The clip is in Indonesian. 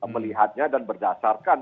melihatnya dan berdasarkan